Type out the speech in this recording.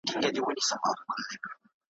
نه به دي د سره سالو پلو ته غزل ولیکي ,